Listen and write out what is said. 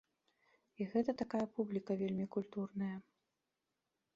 І гэта такая публіка вельмі культурная.